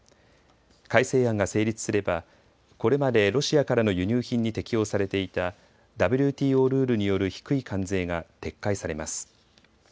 改正案が成立すればこれまでロシアからの輸入品に適用されていたＷＴＯルールによる低い関税が撤回されます。